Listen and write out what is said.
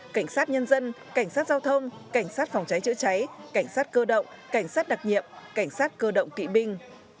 cảnh sát nhân dân cảnh sát giao thông cảnh sát phòng cháy chữa cháy cảnh sát cơ động cảnh sát đặc nhiệm cảnh sát cơ động kỵ binh